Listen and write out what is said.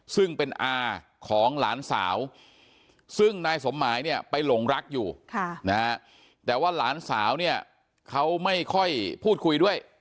ซึ่งเป็นอาของหลานสาวซึ่งนายสมหมายเนี่ยไปหลงรักอยู่แต่ว่าหลานสาวเนี่ยเขาไม่ค่อยพูดคุยด้วย